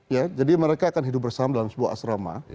ya jadi mereka akan hidup bersama dalam sebuah asrama